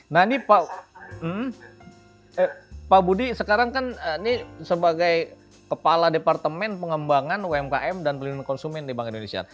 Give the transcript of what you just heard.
nah ini pak budi sekarang kan ini sebagai kepala departemen pengembangan umkm dan pelindungan konsumen di bank indonesia